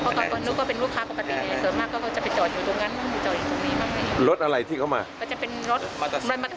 มันน่าจะเป็นคนที่มืดนี่นะครับเห็นบ่อยมากเลยนี่